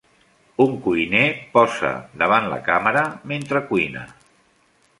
Un cuiner posa davant la càmera mentre cuina.